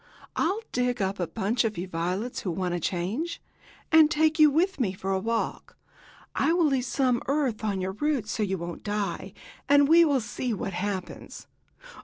I'll dig up a bunch of you violets, who want a change, and take you with me for a walk. I will leave some earth on your roots so you won't die, and we shall see what happens."